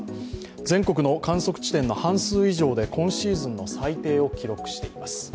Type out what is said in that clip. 全国の観測地点の半数以上で今シーズンの最低を記録しています。